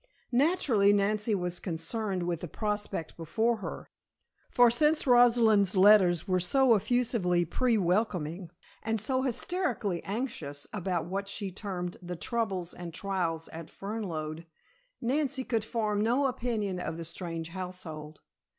Naturally Nancy was concerned with the prospect before her, for since Rosalind's letters were so effusively pre welcoming and so hysterically anxious about what she termed, "the troubles and trials at Fernlode," Nancy could form no opinion of the strange household.